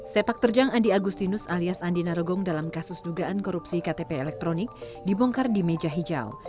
sepak terjang andi agustinus alias andi narogong dalam kasus dugaan korupsi ktp elektronik dibongkar di meja hijau